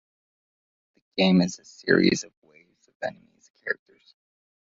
The game is a series of waves of enemy characters.